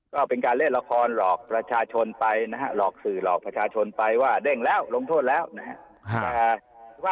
ก็เป็นการเล่นละครหลอกประชาชนไปนะครับ